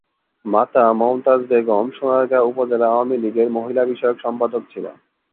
মাতা মমতাজ বেগম সোনারগাঁ উপজেলা আওয়ামী লীগের মহিলা বিষয়ক সম্পাদক ছিলেন।